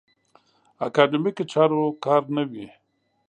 اکاډیمیکو چارو کار نه وي.